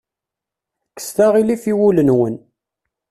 Kkset aɣilif i wul-nwen.